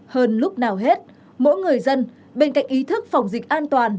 hơn lúc nào hết mỗi người dân bên cạnh ý thức phòng dịch an toàn